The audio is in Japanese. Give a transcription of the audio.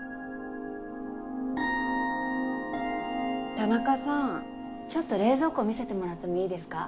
田中さんちょっと冷蔵庫見せてもらってもいいですか？